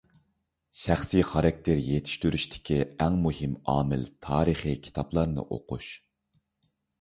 شەخسى خاراكتېر يېتىشتۈرۈشتىكى ئەڭ مۇھىم ئامىل — تارىخىي كىتابلارنى ئوقۇش.